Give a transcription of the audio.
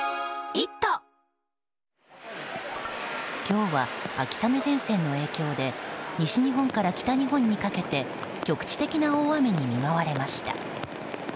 今日は秋雨前線の影響で西日本から北日本にかけて局地的な大雨に見舞われました。